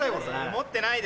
持ってないです。